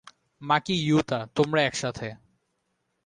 মাকি, Yuta, তোমরা একসাথে।